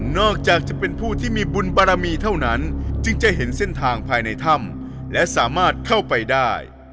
จะเป็นผู้ที่มีบุญบารมีเท่านั้นจึงจะเห็นเส้นทางภายในถ้ำและสามารถเข้าไปได้